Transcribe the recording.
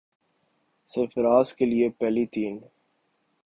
سرفراز کے لیے پہلی تین